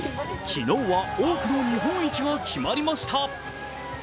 昨日は多くの日本一が決まりました。